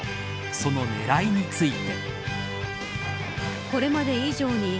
その狙いについて。